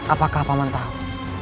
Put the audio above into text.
apakah paman tahu